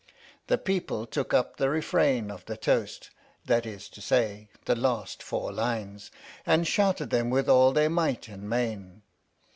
62 THE STORY OF THE MIKADO The people took up the refrain of the toast (that is to say, the last four lines) and shouted them with all their might and main.